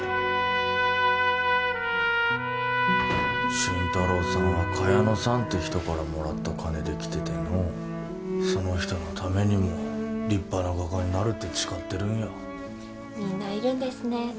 新太郎さんは茅野さんって人からもらった金で来ててのうその人のためにも立派な画家になると誓ってるんやみんないるんですね